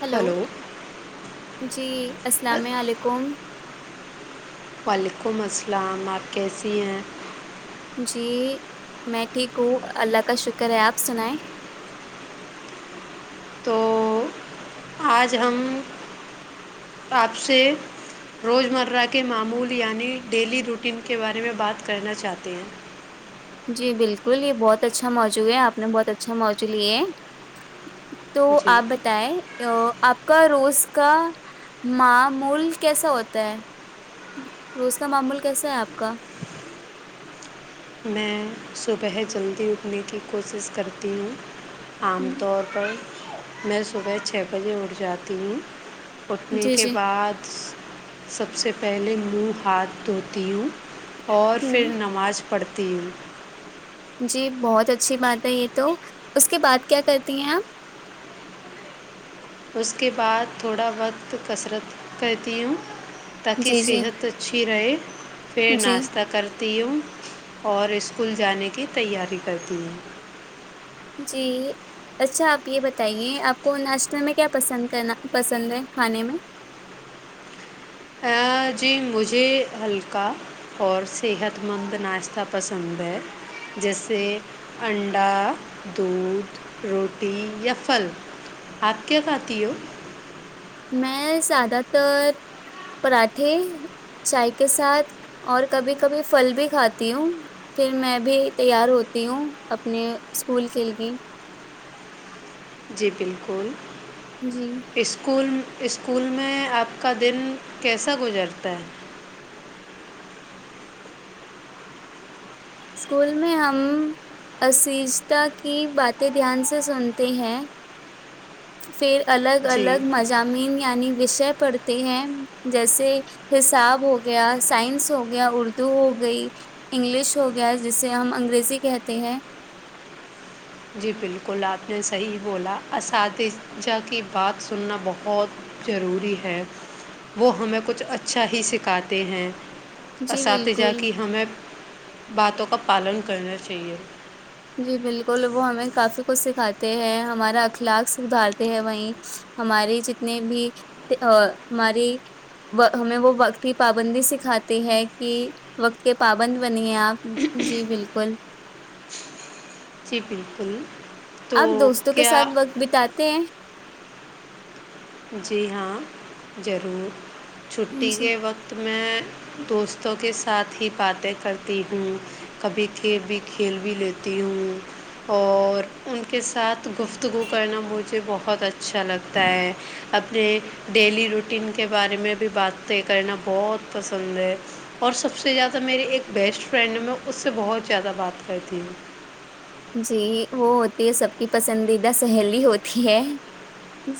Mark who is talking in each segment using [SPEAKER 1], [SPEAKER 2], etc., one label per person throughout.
[SPEAKER 1] Hello
[SPEAKER 2] hello
[SPEAKER 1] جی السلام علیکم
[SPEAKER 2] وعلیکم السلام آپ کیسی ہیں
[SPEAKER 1] جی میں ٹھیک ہوں اللہ کا شکر ہے آپ سنائیں
[SPEAKER 2] تو آج ہم آپ سے روزمرہ کے معمول یعنی ڈیلی روٹین کے بارے میں بات کرنا چاہتے ہیں
[SPEAKER 1] جی بالکل یہ بہت اچھا موضوع ہے آپ نے بہت اچھا موضوع لیے ہے تو
[SPEAKER 2] جی
[SPEAKER 1] آپ بتائیں آپ آپ کا روز کا معمول کیسا ہوتا ہے روز کا معمول کیسا ہے آپ کا
[SPEAKER 2] میں صبح جلدی اٹھنے کی کوشش کرتی ہوں عام
[SPEAKER 1] ہم،
[SPEAKER 2] طور پر میں صبح چھ بجے اٹھ جاتی ہوں اٹھنے
[SPEAKER 1] جی
[SPEAKER 2] کے
[SPEAKER 1] جی
[SPEAKER 2] بعد سب سے پہلے مروہ ہاتھ دھوتی ہوں اور
[SPEAKER 1] ہ
[SPEAKER 2] پھر نماز پڑتے تین
[SPEAKER 1] جی بہت اچھی بات ہے یہ تو اس کے بعد کیا کرتی ہیں آپ
[SPEAKER 2] اس کے بعد تھوڑا وقت کسرت کرتی ہوں تاکہ
[SPEAKER 1] جی جی
[SPEAKER 2] صحت اچھی رہے پھر
[SPEAKER 1] جی
[SPEAKER 2] ناشتہ کر تی ہوں اور اسکول جانے کی تیاری کرتی ہوں
[SPEAKER 1] جی اچھا آپ یہ بتائیے آپ کو ناشتے میں کیا پسند کرنا پسند ہے کھانے میں
[SPEAKER 2] ہ جی مجھے ہلکا اور صحت مند ناشتہ پسند ہے جیسے انڈا دودھ روٹی یا پھل آپ کیا کھاتی ہو
[SPEAKER 1] میں زیادہ تر پراٹھے چائے کے ساتھ اور کبھی کبھی پھل بھی کھاتی ہوں پھر میں بھی تیار ہوتی ہوں اپنے اسکول کے لیگ
[SPEAKER 2] جی بالکل
[SPEAKER 1] جی
[SPEAKER 2] اسکو اسکول میں آپ کا دن کیسا گزرتا ہے
[SPEAKER 1] اسکول میں ہم اجتا کی باتیں دھیان سے سنتے ہیں فھر الگ
[SPEAKER 2] جی
[SPEAKER 1] الگ مضامین یعنی وشے پڑ ہیں جیسے حساب ہو گیا سائنس ہو گیا اردو ہو گئی انگلش ہو گیا جسے ہم انگریزی کہتے ہیں
[SPEAKER 2] جی بالکل آپ نے صحیح بولا اساتذہ کی بات سننا بہت ضروری ہے وہ ہمیں کچھ اچھا ہی سکھاتے ہیں
[SPEAKER 1] جی
[SPEAKER 2] اساتذہ
[SPEAKER 1] بالکل
[SPEAKER 2] کہ ہمیں باتوں کا پالن کرنا چاہیے
[SPEAKER 1] جی بالکل وہ ہمیں کافی کچھ سکھاتے ہیں ہمارا اخلاق سدھارتے ہیں وہیں ہماری جتنی بھی ہماری ہمیں وہ وقت کی پابندی سکھاتی ہے کہ وقت کے پابند نی آپ جی بالکل
[SPEAKER 2] جی بالکل تو
[SPEAKER 1] آپ دوستوں کے
[SPEAKER 2] کیا
[SPEAKER 1] ساتھ وقت بتاتے ہیں
[SPEAKER 2] جی ہاں ضرور [inaudible]
[SPEAKER 1] ہیں
[SPEAKER 2] چھٹی
[SPEAKER 1] جی
[SPEAKER 2] کے وقت [inaudible] میں دوستوں کے ساتھ ہی باتیں کرتی ہوں کبھی کھی بھی کھیل بھی لیتی ہوں اور ان کے ساتھ گفتگو کرنا بہت یہ بہت اچھا اچھا لگتا ہے اپنے ڈیلی روٹین کے بارے میں بھی باتیں کرنا بہت پسند ہے اور سب سے زیادہ میری ایک بیسٹ فرینڈ ہے میں اس سے بہت زیادہ بات کرتی ہوں
[SPEAKER 1] جی وہ ہوتی ہے سب کی پسندیدہ سہیلی ہوتی ہے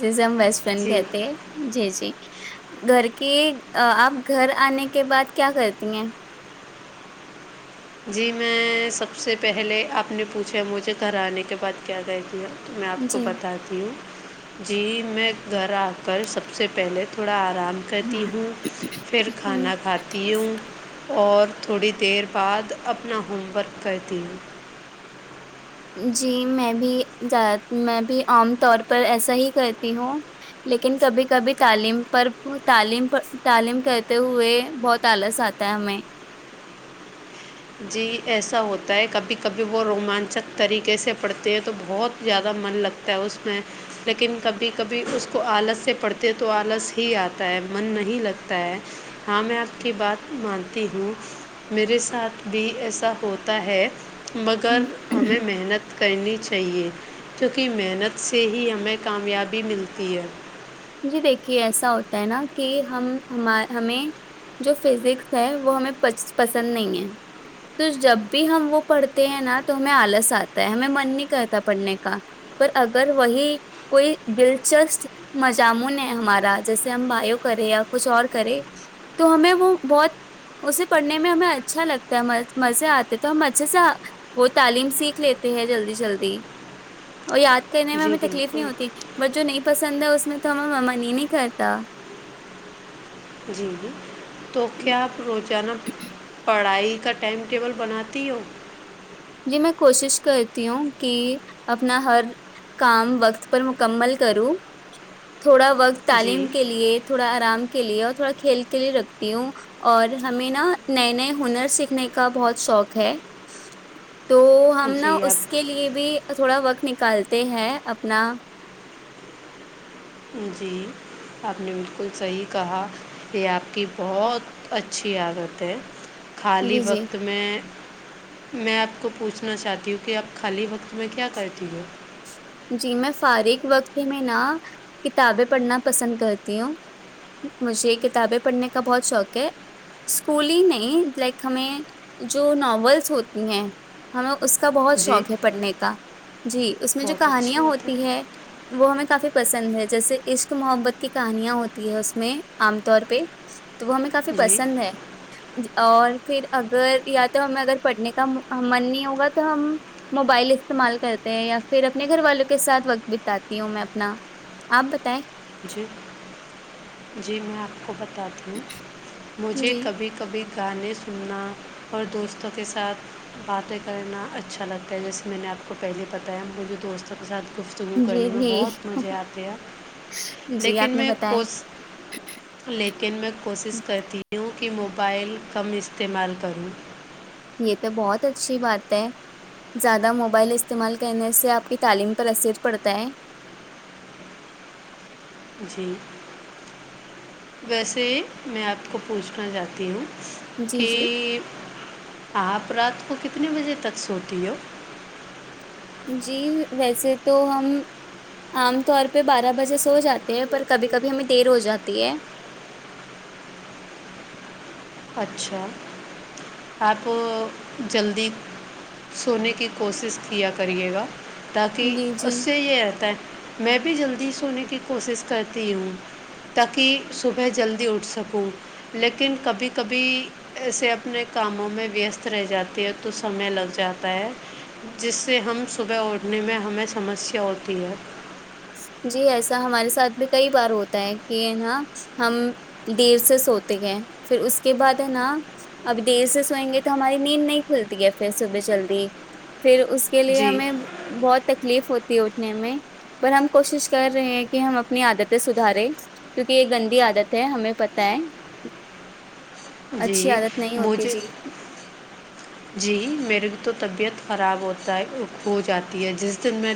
[SPEAKER 1] جزم ویسے
[SPEAKER 2] جی
[SPEAKER 1] کہتے ہیں جی جی گھر کی آپ گھر آنے کے بعد کیا کرتی ہیں
[SPEAKER 2] جی میں سب سے پہلے آپ نے پوچھا مجھے گھر آنے کے بعد کیا کہ دیا تو میں آپ کو
[SPEAKER 1] جی
[SPEAKER 2] بتاتی ہوں جی میں گھر آ کر سب سے پہلے تھوڑا آرام کرتی ہوں پھر
[SPEAKER 1] ہ
[SPEAKER 2] کھانا کھاتی ہوں اور تھوڑی دیر بعد اپنا ہوم ورک کرتی ہوں
[SPEAKER 1] جی میں بھی میں بھی عام طور پر ایسا ہی کرتی ہوں لیکن کبھی کبھی تعلیم پر تعلیم تعلیم کرتے ہوئے بہت آلس آتا ہے ہمیں
[SPEAKER 2] جی ایسا ہوتا ہے کبھی کبھی وہ رومانچک طریقے سے پڑھتے ہیں تو بہت زیادہ من لگتا ہے اس میں لیکن کبھی کبھی اس کو آلس سے پڑھتے ہیں تو آلس ہی آتا ہے من نہیں لگتا ہے ہاں میں آپ کی بات مانتی ہوں میرے ساتھ بھی ایسا ہوتا ہے مگر ہمیں محنت کرنی چاہیے کیونکہ محنت سے ہی ہمیں کامیابی ملتی ہے
[SPEAKER 1] جی دیکھیے ایسا ہوتا ہے نا کہ ہم ہمیں جو فزکس ہے وہ ہمیں پسند نہیں ہے تو جب بھی ہم وہ پڑھتے ہیں نا تو ہمیں آلس آتا ہے ہمیں من نہیں کرتا پڑھنے کا پر اگر وہی کوئی دلچسپ مضامن ہے ہمارا جیسے ہم بائیو کرے یا کچھ اور کرے تو ہمیں وہ بہت اسے پڑھنے میں ہمیں اچھا لگتا ہے مزے آتے تو ہم اچھے سے وہ تعلیم سیکھ لیتے ہیں جلدی جلدی اور یا کہنے میں
[SPEAKER 2] جی
[SPEAKER 1] ہمیں تکلیف نہیں
[SPEAKER 2] بالکل
[SPEAKER 1] ہوتی بس جو نہیں پسند ہے میں تو ہم مم نہیں ہی نہیں کرتا
[SPEAKER 2] جی جی تو کیا روزانہ پڑھائی کا ٹائم ٹیبل بناتی ہو
[SPEAKER 1] جی میں کوشش کرتی ہوں کہ اپنا ہر کام وقت پر مکمل کروں تھوڑا وقت تعلیم
[SPEAKER 2] جی
[SPEAKER 1] کے لیے تھوڑا آرام کے لیے اور تھوڑا کھیل کے لیے رکھتی ہوں اور ہمیں نا نئے نئے ہنر سیکھنے کا بہت شوق ہے تو ہم
[SPEAKER 2] جی
[SPEAKER 1] نا اس کے
[SPEAKER 2] آپ
[SPEAKER 1] لیے بھی تھوڑا وقت نک کلتے ہے اپنا
[SPEAKER 2] جی آپ نے بالکل صحیح کہا یہ آپ کی بہت اچھی عادت ہے خالی
[SPEAKER 1] جی جی
[SPEAKER 2] وقت میں میں آپ کو پوچھنا چاہتی ہوں کہ آپ خالی وقت میں کیا کہتی ہو؟
[SPEAKER 1] جی میں فارغ وقت میں نا کتابیں پڑھنا پسند کرتی ہوں مجھے کتابیں پڑھنے کا بہت شوق ہے اسکول ہی نہیں لائک ہمیں جو ناولس ہوتی ہیں ہمیں اس کا بہت
[SPEAKER 2] جی
[SPEAKER 1] شوق ہے پڑھنے کا جی اس میں جو
[SPEAKER 2] بہت اچھی
[SPEAKER 1] کہانیاں
[SPEAKER 2] بات
[SPEAKER 1] ہوتی ہے وہ ہمیں کافی پسند ہے جیسے عشق محبت کی کہانیاں ہوتی ہے اس میں عام طور پہ تو وہ ہمیں کافی
[SPEAKER 2] جی
[SPEAKER 1] پسند ہے اور پھر اگر یا تو ہمیں اگر پڑھنے کا من نہیں ہوگا تو ہم موبائل استعمال کرتے ہیں یا پھر اپنے گھر والوں کے ساتھ وقت بتاتی ہوں میں اپنا آپ بتائیں
[SPEAKER 2] جی جی میں آپ کو بتا مجھے
[SPEAKER 1] جی
[SPEAKER 2] کبھی کبھی گانے سننا اور دوستوں کے ساتھ باتیں کرنا اچھا لگتا ہے جیسے میں نے آپ کو پہلے پتا ہے مجھے دوستوں کے ساتھ گفتگو کرنے
[SPEAKER 1] جی
[SPEAKER 2] میں
[SPEAKER 1] جی
[SPEAKER 2] بہت مزے آتے ہیں
[SPEAKER 1] جی
[SPEAKER 2] لیکن
[SPEAKER 1] آپ نے
[SPEAKER 2] میں
[SPEAKER 1] بتایا
[SPEAKER 2] لیکن میں کوشش کرتی ہوں وں کہ موبائل کم استعمال کرو
[SPEAKER 1] یہ تو بہت اچھی بات ہے زیادہ موبائل استعمال کرنے سے آپ کی تعلیم پر اثر پڑتا ہے
[SPEAKER 2] جی ویسے میں آپ کو پوچھنا چاہتی ہوں
[SPEAKER 1] جی
[SPEAKER 2] کہ
[SPEAKER 1] جی
[SPEAKER 2] آپ رات کو کتنے بجے تک سوتی ہو
[SPEAKER 1] جی ویسے تو ہم عام طور پہ بارہ بجے سو جاتے ہیں پر کبھی کبھی ہمیں دیر ہو جاتی ہے
[SPEAKER 2] اچھا آپ جلدی سونے کی کوشش کیا کریے گا تاک
[SPEAKER 1] جی جی
[SPEAKER 2] اسے ہییرتا ہے میں بھی جلدی سونے کی کوشش کرتی ہوں تاکہ صبح جلدی اٹھ سکوں لیکن کبھی کبھی ایسے اپنے کاموں میں ویست رہ جاتی ہے تو سمے لگ جاتا ہے جس سے ہم صبح اٹھنے میں ہمیں سمسیا ہوتی ہے
[SPEAKER 1] جی ایسا ہمارے ساتھ بھی کئی بار ہوتا ہے کہ نا ہم دیر سے سوتے ہیں پھر اس کے بعد ہے نا ابھی دیر سے سوئیں گے تو ہماری نیند نہیں کھلتی ہے پھر صبح جلدی پھر اس کے لیے
[SPEAKER 2] جی
[SPEAKER 1] ہمیں بہت تکلیف ہوتی ہے نی میں پر ہم کوشش کر رہے ہیں کہ ہم اپنی عادتیں سدھارے کیونک یہ گندی عادت ہے ہمیں پت ہے اچھی
[SPEAKER 2] جی
[SPEAKER 1] عادت نہیں ہوتی
[SPEAKER 2] مجھے
[SPEAKER 1] جی
[SPEAKER 2] جی میرے تو طبیعت خراب ہوتا ہے ہو جاتی ہے جس دن میں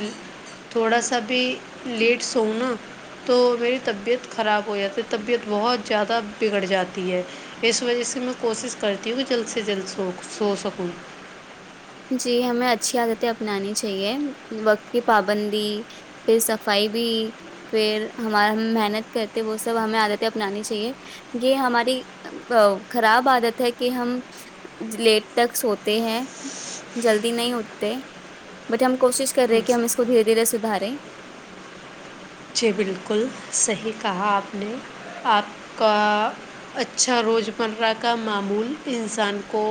[SPEAKER 2] تھوڑا سا بھی لیٹ سوؤوں نا تو میری طبیعت خراب ہو جاتی ہے طبیعت بہت زیادہ بگڑ جاتی ہے [unintelligible]
[SPEAKER 1] جی ہمیں اچھی عادتیں اپنانی چاہیے وقت کی پابندی پھر صفائی بھی پھر ہمار ہم محنت کرتے وہ سب ہمیں عادتیں اپنانی چاہیے یہ ہماری خراب عادت ہے کہ ہم لیٹ تک سوتے ہیں جلدی نہیں اٹتے بٹ ہم کوشش کرے ہیں ہم اس کو دھیے دھیرے سدھارے
[SPEAKER 2] جی بالکل صحیح کہا آپ نے آپ کا اچھا روزمرہ کا معمول انسان کو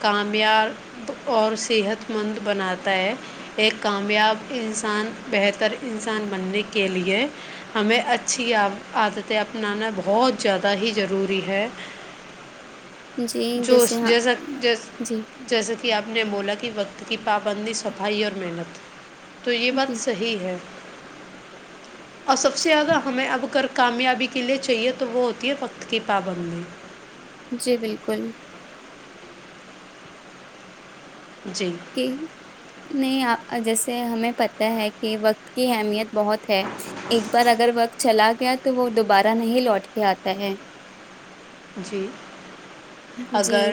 [SPEAKER 2] کامیاب اور صحت مند بناتا ہے ایک کامیاب انسان بہتر انسان بننے کی کے لیے ہمیں اچھی عادتیں اپنانا بہت زیادہ ہی ضروری ہے
[SPEAKER 1] جی
[SPEAKER 2] جو
[SPEAKER 1] جیسے ہاں
[SPEAKER 2] جیسا
[SPEAKER 1] جی
[SPEAKER 2] جیسا کہ آپ نے بولا کہ وقت حت کی پابندی صفائی اور محنت تو یہ بات
[SPEAKER 1] بل-
[SPEAKER 2] صحی ہے اور سب سے زیادہ ہمیں اب کر کامیابی کے لیے چاہیے تو وہ ہوتی ہے وقت کی پابندی
[SPEAKER 1] جی بالکل
[SPEAKER 2] جی
[SPEAKER 1] کہ نہیں جیسے ہمیں پت ہے کہ وقت کی اہمیت بہت ہے ایک بار اگر وقت چلا گیا تو وہ دوبارہ نہیں لوٹ کے آتا ہے
[SPEAKER 2] جی
[SPEAKER 1] جی
[SPEAKER 2] اگر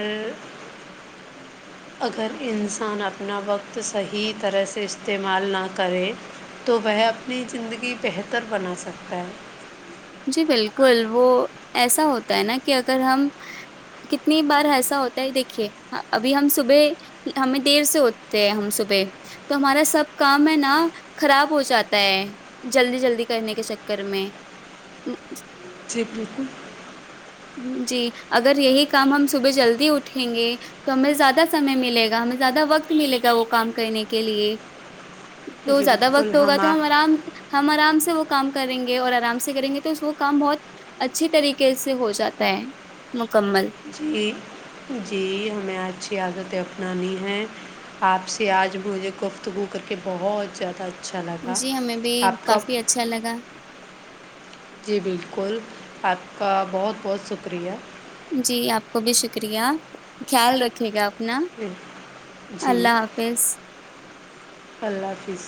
[SPEAKER 2] اگر انسان اپنا وقت صحیح طرح سے استعمال نہ کرے تو وہ اپنی زندگی بہتر بنا سکتا ہے
[SPEAKER 1] جی بالکل وہ ایسا ہوتا ہے نا کہ اگر ہم کتنی بار ایسا ہوتا ہے دیکھیے ابھی ہم صبح ہمیں دیر سے ہوتے ہیں ہم صبح تو ہمارا سب کام ہے نا خراب ہو جاتا ہے جلدی جلدی کرنے کے چکر میں نہ
[SPEAKER 2] جی بالکل
[SPEAKER 1] جی اگر یہی کام ہم صبح جلدی اٹھیں گے تو ہمیں زیادہ سمے ملے گا ہمیں زیادہ وقت ملے گا وہ کام کرنے کے لیے تو
[SPEAKER 2] جی
[SPEAKER 1] زیادہ
[SPEAKER 2] بالکل
[SPEAKER 1] وقت ہوگا تو
[SPEAKER 2] ہما
[SPEAKER 1] ہم آرام ہم آرام سے وہ کام کریں گے اور آرام سے کریں گے تو وہ کام بہت اچھی طریقے سے ہو جاتا ہے مط
[SPEAKER 2] جی جی ہمیں اچھی عادت ہے اپنانی ہے آپ سے آج مجھے گفت ہو کر کے بہت زیادہ اچھا لگا
[SPEAKER 1] جی ہمیں بھی
[SPEAKER 2] آپ کا
[SPEAKER 1] کافی اچھا لگا
[SPEAKER 2] جی بالکل آپ کا بہت بہت شکریہ
[SPEAKER 1] جی آپ کو بھی شکریہ خیال رکھے گا آپ
[SPEAKER 2] جی
[SPEAKER 1] اللہ حافظ
[SPEAKER 2] اللہ حافظ